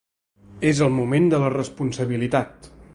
És el moment de la responsabilitat.